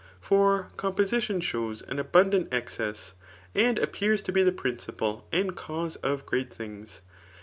For composidon shows an abttadant es^ ce68» and appears to be the principle and cause o£ gresfc things.